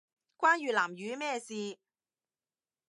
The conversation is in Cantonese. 關越南語咩事